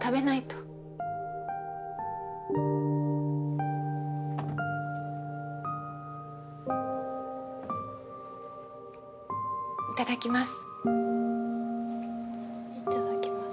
小声いただきます。